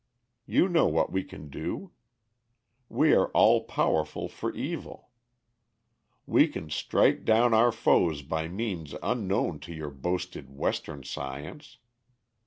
You know what we can do. We are all powerful for evil. We can strike down our foes by means unknown to your boasted Western science.